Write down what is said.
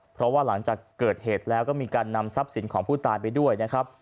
เพราะว่าหลังจากเกิดเหตุแล้วก็มีการนำทรัพย์สินของผู้ตายไปด้วยนะครับ